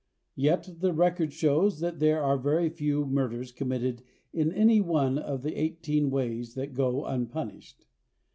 Yet the record shows that there are very few murders committed in any one of the eighteen ways that go unpunished.